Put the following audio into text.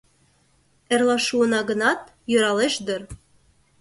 Эрла шуына гынат, йӧралеш дыр.